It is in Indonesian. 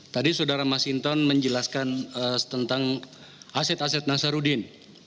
tadi saudara mas hinton menjelaskan tentang aset aset nasarudin